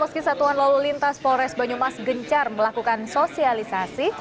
meski satuan lalu lintas polres banyumas gencar melakukan sosialisasi